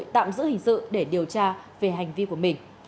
tạm giữ hình sự để điều tra về hành vi của mình